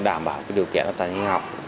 đảm bảo điều kiện tài năng học